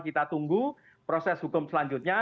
kita tunggu proses hukum selanjutnya